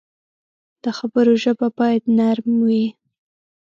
د خبرو ژبه باید نرم وي